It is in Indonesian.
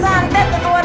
aku mulut pad marsur